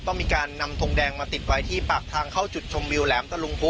ต้องมีการนำทงแดงมาติดไว้ที่ปากทางเข้าจุดชมวิวแหลมตะลุงพุ